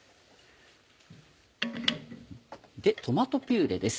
トマトピューレです。